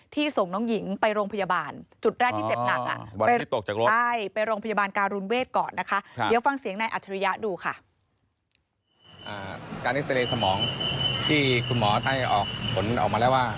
ที่ส่งน้องหญิงไปโรงพยาบาล